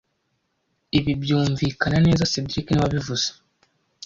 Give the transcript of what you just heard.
Ibi byumvikana neza cedric niwe wabivuze